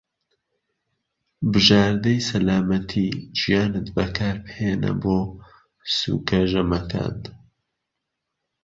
بژادەری سەلامەتی گیانت بەکاربهێنە بۆ سوکە ژەمەکان.